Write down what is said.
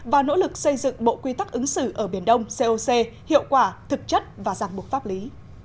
và nỗ lực xây dựng bộ quy tắc ứng xử ở biển đông coc hiệu quả thực chất và giang buộc pháp lý